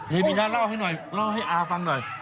บีนะเล่าให้หน่อยเล่าให้อาฟังหน่อย